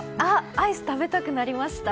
アイス、食べたくなりました？